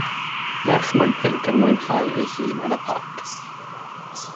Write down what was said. Merch mewn pinc yn mwynhau ei hun yn y parc.